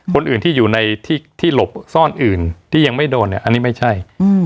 คนอื่นที่อยู่ในที่หลบซ่อนอื่นที่ยังไม่โดนเนี่ยอันนี้ไม่ใช่